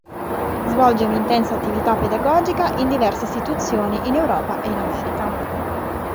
Svolge un'intensa attività pedagogica in diverse istituzioni in Europa e in America.